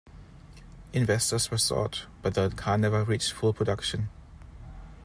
Investors were sought but the car never reached full production.